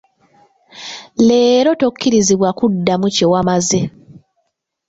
Leero tokkirizibwa kuddamu kye wamaze.